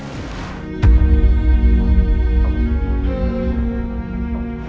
elsa juga gak mau bertanggung jawab